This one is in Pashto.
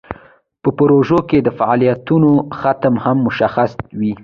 په پروژه کې د فعالیتونو ختم هم مشخص وي.